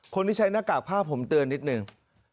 คนที่ใช้หน้ากากผ้าผมเตือนนิดนึง